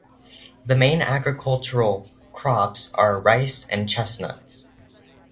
The main agricultural crops are rice and chestnuts.